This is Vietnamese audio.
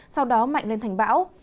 sau đó mạnh lên thành bão